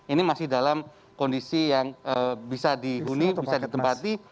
ini masih dalam kondisi yang bisa dihuni bisa ditempati